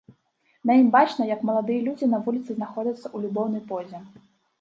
На ім бачна, як маладыя людзі на вуліцы знаходзяцца ў любоўнай позе.